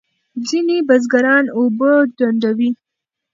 ځینې بزګران اوبه ډنډوي.